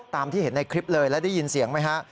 ตามที่เห็นในคลิปเลยแล้วได้ยินเสียงไหมฮะ